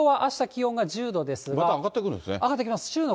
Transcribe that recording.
また上がってくるんですね。